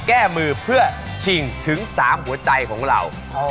แก้มือเพื่อชิงถึง๓หัวใจของเรา